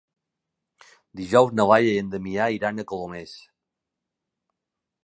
Dijous na Laia i en Damià iran a Colomers.